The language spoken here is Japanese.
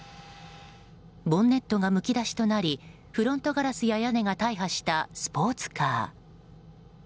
ボンネットがむき出しとなりフロントガラスや屋根が大破したスポーツカー。